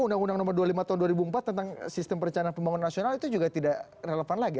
undang undang nomor dua puluh lima tahun dua ribu empat tentang sistem perencanaan pembangunan nasional itu juga tidak relevan lagi